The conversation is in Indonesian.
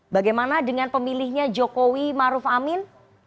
bagaimana dengan pemilihnya jokowi maruf amin